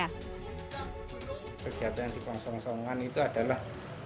perjalanan di pasongsongan itu adalah